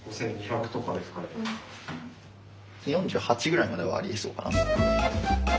４８ぐらいまではありえそうかな？